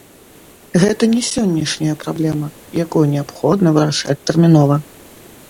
Гэта не сённяшняя праблема, якую неабходна вырашаць тэрмінова.